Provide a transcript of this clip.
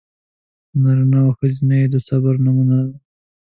نارینه او ښځینه یې د صبر نمونه و.